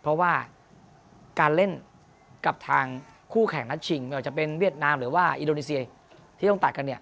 เพราะว่าการเล่นกับทางคู่แข่งนัดชิงไม่ว่าจะเป็นเวียดนามหรือว่าอินโดนีเซียที่ต้องตัดกันเนี่ย